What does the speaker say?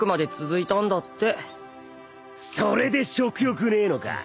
それで食欲ねえのか。